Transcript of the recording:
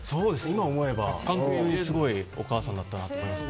今思えば、本当にすごいお母さんだったと思います。